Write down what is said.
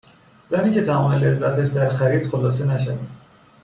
زنی که تمام لذتش در خرید خلاصه نشود